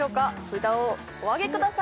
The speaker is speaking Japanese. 札をお上げください